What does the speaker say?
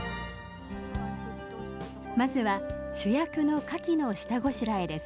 まずは主役のかきの下ごしらえです。